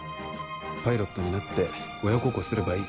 パイロットになって親孝行すればいい。